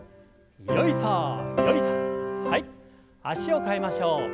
脚を替えましょう。